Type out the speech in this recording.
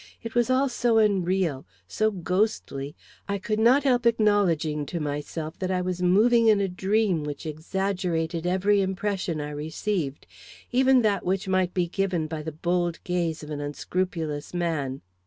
It was all so unreal, so ghostly, I could not help acknowledging to myself that I was moving in a dream which exaggerated every impression I received, even that which might be given by the bold gaze of an unscrupulous man.